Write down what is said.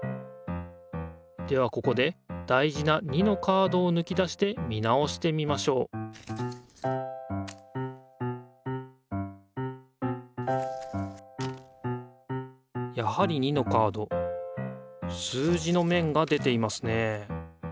ではここで大事な２のカードをぬき出して見直してみましょうやはり２のカード数字のめんが出ていますね